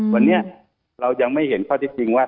วันนี้เรายังไม่เห็นข้อที่จริงว่า